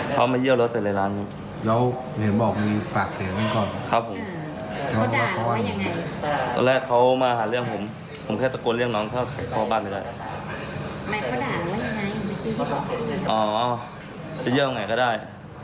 อ๋อจะเยี่ยมไงก็ได้แล้วหัวพ่อก็ได้